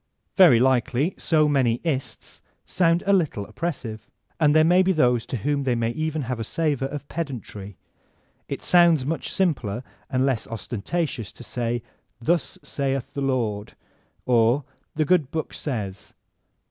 Very likely so many "ists" sound a little oppressive, and there may be those to whom diey may even have a savor of pedantry. It sounds much simpler and less ostcntatk>us to say ''Thus saith the Lord,'' or ''The Good Book says.